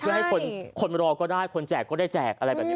เพื่อให้คนรอก็ได้คนแจกก็ได้แจกอะไรแบบนี้